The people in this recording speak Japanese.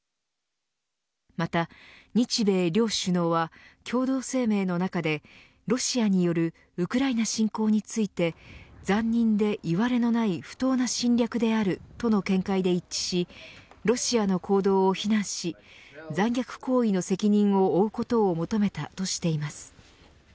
また、日米両首脳は共同声明の中でロシアによるウクライナ侵攻について残忍でいわれのない不当な侵略であるとの見解で一致しロシアの行動を非難し残虐行為の責任を負うことを求めたとしています。